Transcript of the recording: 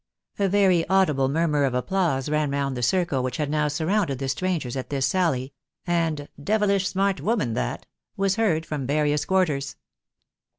" A very audible murmirr of applause ran round the circle which had now surrounded the strangers at this sally ; and " devilish smart woman that !" was heard from various quarters.